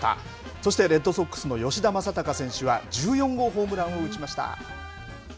そして、レッドソックスの吉田正尚選手は、１４号ホームランを打ちました。